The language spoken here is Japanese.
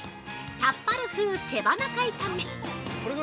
タッパル風手羽中炒め。